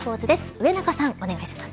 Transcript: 上中さんお願いします。